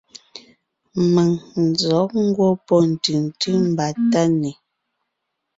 Mèŋ n zɔ̌g ngwɔ́ pɔ́ ntʉ̀ntʉ́ mbà Tánè,